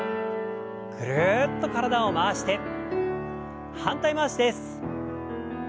ぐるっと体を回して反対回しです。